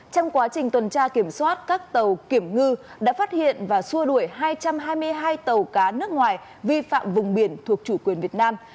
trong quá trình tuần tra kiểm soát các tàu kiểm ngư đã phát hiện và xua đuổi hai trăm hai mươi hai tàu cá nước ngoài vi phạm vùng biển thuộc chủ quyền việt nam